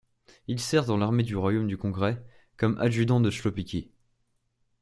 Il sert dans l'armée du Royaume du Congrès comme adjudant de Chłopicki.